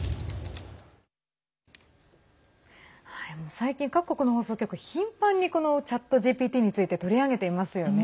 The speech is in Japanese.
最近、各国の放送局、頻繁にこのＣｈａｔＧＰＴについて取り上げていますよね。